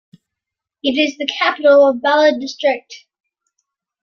It is the capital of Balad District.